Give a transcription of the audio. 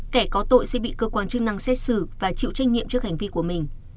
kẻ có tội sẽ bị cơ quan chức năng xét xử và chịu trách nhiệm trước hành vi của mình